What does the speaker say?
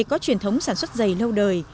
có truyền thống sản xuất dày lâu đời